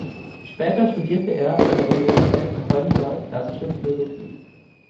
Später studierte er an der Universität Coimbra Klassische Philologie.